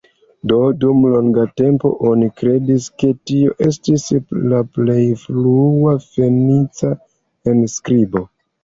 Do, dum longa tempo oni kredis, ke tio estis la plej frua fenica enskribo.